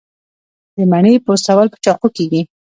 د مڼې پوستول په چاقو کیږي.